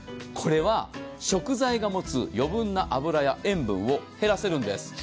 これは食材が持つ余分な脂や塩分を減らせるんです。